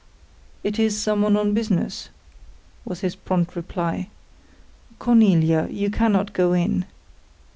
"It is some one on business," was his prompt reply. "Cornelia, you cannot go in."